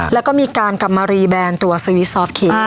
แล้วก็มีการกำมารีแบรนด์ตัวซวิทซอฟต์เค้ก